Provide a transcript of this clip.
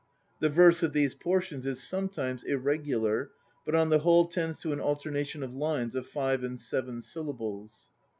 The verse of these portions is some times irregular, but on the whole tends to an alternation of lines of five and seven syllables.